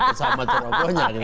terus sama cerobohnya